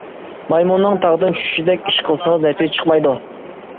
مايمۇننىڭ تاغدىن چۈشۈشىدەك ئىش قىلسىڭىز نەتىجە چىقمايدۇ.